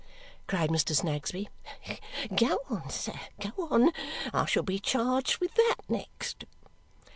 cried Mr. Snagsby. "Go on, sir, go on. I shall be charged with that next."